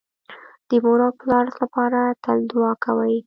د مور او پلار لپاره تل دوعا کوئ